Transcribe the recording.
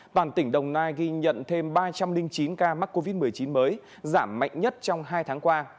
toàn tỉnh đồng nai ghi nhận thêm ba trăm linh chín ca mắc covid một mươi chín mới giảm mạnh nhất trong hai tháng qua